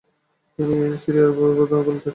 তিনি “সিরিয়ার বধু” বলতেন।